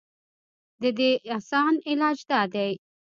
د دې اسان علاج دا دے